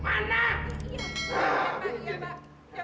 kau jalan nggak sih sebenarnya